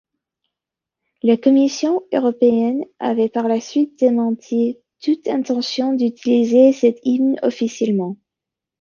La Commission européenne avait par la suite démenti toute intention d'utiliser cet hymne officiellement.